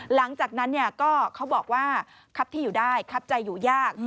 หลังจากนั้นก็เขาบอกว่าครับที่อยู่ได้ครับใจอยู่ยาก